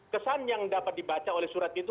kesan yang dapat dibaca oleh surat itu